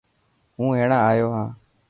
هون هينڙا آيو هان.